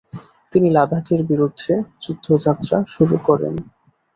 তিনি লাদাখের বিরুদ্ধে যুদ্ধযাত্রা করেন।